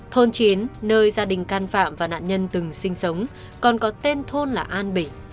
thôn chiến nơi gia đình can phạm và nạn nhân từng sinh sống còn có tên thôn là an bình